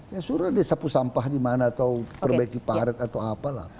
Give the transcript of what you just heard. ya suruh disapu sampah di mana atau perbaiki pahret atau apalah